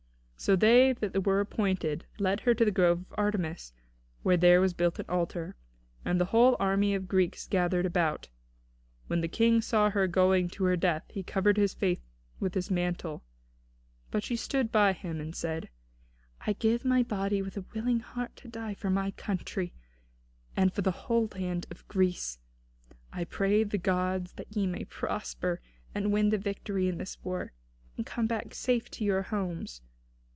So they that were appointed led her to the grove of Artemis, where there was built an altar, and the whole army of the Greeks gathered about. When the King saw her going to her death he covered his face with his mantle; but she stood by him, and said: "I give my body with a willing heart to die for my country and for the whole land of Greece. I pray the gods that ye may prosper, and win the victory in this war, and come back safe to your homes.